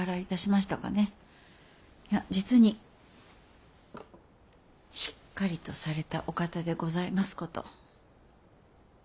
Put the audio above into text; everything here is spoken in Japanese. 実にしっかりとされたお方でございますこと。